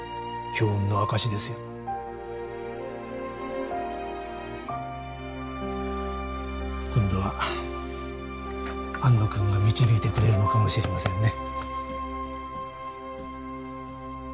強運の証しですよ今度は安野君が導いてくれるのかもしれませんね